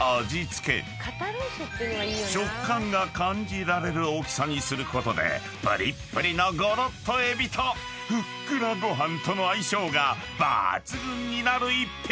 ［食感が感じられる大きさにすることでぷりっぷりのごろっとエビとふっくらご飯との相性が抜群になる一品］